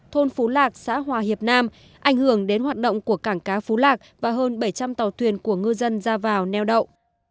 thôn phú lạc xã hòa hiệp nam ảnh hưởng đến hoạt động của cảng cá phú lạc và hơn bảy trăm linh tàu thuyền của ngư dân ra vào neo đậu